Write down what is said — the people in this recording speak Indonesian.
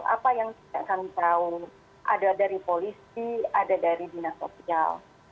apa yang tidak kami tahu ada dari polisi ada dari dinas sosial